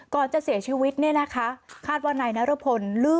ก่อนจะเสียชีวิตเนี่ยนะคะคาดว่านายนรพล